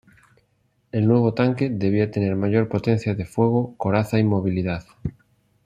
El nuevo tanque debía tener mayor potencia de fuego, coraza y movilidad.